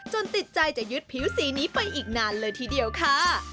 ติดใจจะยึดผิวสีนี้ไปอีกนานเลยทีเดียวค่ะ